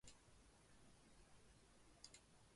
能一秒不爱的都是神人了